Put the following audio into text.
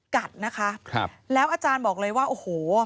กัดนะคะครับแล้วอาจารย์บอกเลยว่าโอ้โห